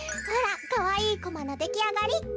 ほらかわいいコマのできあがり。